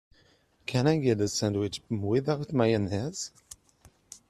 Can I get the sandwich without mayonnaise?